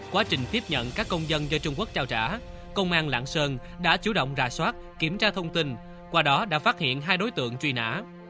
quá trình tiếp nhận các công dân do trung quốc trao trả công an lạng sơn đã chủ động ra soát kiểm tra thông tin qua đó đã phát hiện hai đối tượng truy nã